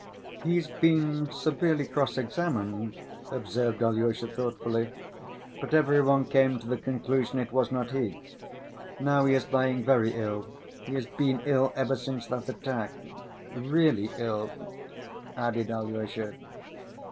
"He's been severely cross‐examined," observed Alyosha thoughtfully; "but every one came to the conclusion it was not he. Now he is lying very ill. He has been ill ever since that attack. Really ill," added Alyosha.